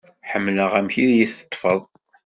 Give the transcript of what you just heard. Ḥemmleɣ amek i yi-teṭfeḍ.